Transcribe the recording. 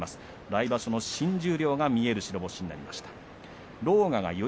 来場所の新十両が見える白星になりました。